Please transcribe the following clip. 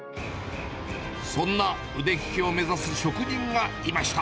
そんな腕利きを目指す職人がいました。